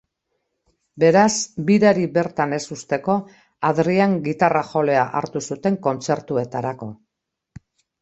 Beraz, birari bertan ez uzteko, Adrian gitarra-jolea hartu zuten kontzertuetarako.